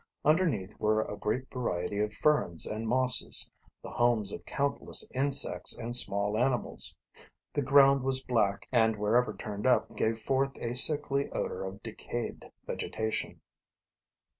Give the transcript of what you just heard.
Underneath were a great variety, of ferns and mosses, the homes of countless insects and small animals. The ground was black and wherever turned up gave forth a sickly odor of decayed vegetation.